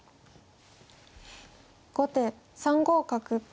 後手３五角。